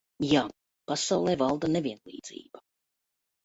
Jā, pasaulē valda nevienlīdzība.